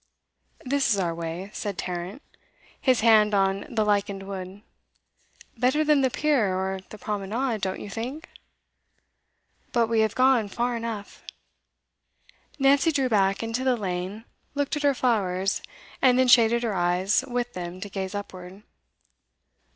'This is our way,' said Tarrant, his hand on the lichened wood. 'Better than the pier or the promenade, don't you think?' 'But we have gone far enough.' Nancy drew back into the lane, looked at her flowers, and then shaded her eyes with them to gaze upward.